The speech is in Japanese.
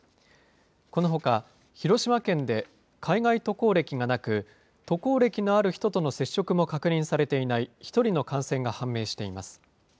このほか、広島県で海外渡航歴がなく、渡航歴のある人との接触も確認されていない１人の感染が判明しています。